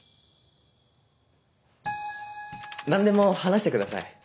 何でも話してください。